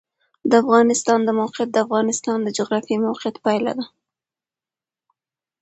د افغانستان د موقعیت د افغانستان د جغرافیایي موقیعت پایله ده.